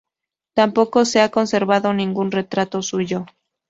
Tampoco se ha conservado ningún retrato suyo.